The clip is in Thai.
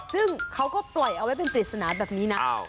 ซึ่งเขาก็ปล่อยเอาไว้เป็นปริศนาแบบนี้นะ